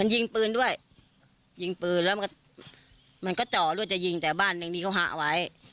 มันยิงปืนด้วยยิงปืนแล้วมันก็เจาะด้วยจะยิงแต่บ้านหนึ่งนี่เขาหาไว้